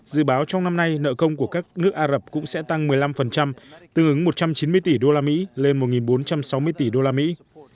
dự báo trong năm nay nợ công của các nước ả rập cũng sẽ tăng một mươi năm tương ứng một trăm chín mươi tỷ đô la mỹ lên một bốn trăm sáu mươi tỷ đô la mỹ